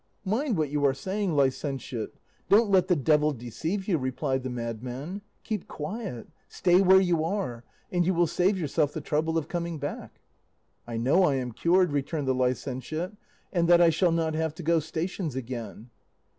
"'Mind what you are saying, licentiate; don't let the devil deceive you,' replied the madman. 'Keep quiet, stay where you are, and you will save yourself the trouble of coming back.' "'I know I am cured,' returned the licentiate, 'and that I shall not have to go stations again.